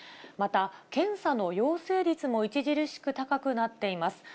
また、検査の陽性率も著しく高くなっています。